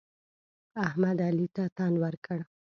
احمد؛ علي ته تن ورکړ.